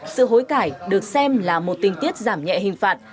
sự hối cãi được xem là một tình tiết giảm nhẹ hình phạt